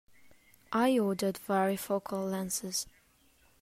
I ordered varifocal lenses.